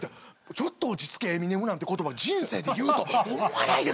「ちょっと落ち着けエミネム」なんて言葉人生で言うと思わないですよ